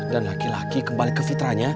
dan laki laki kembali ke fitranya